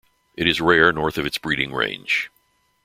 It is rare north of its breeding range.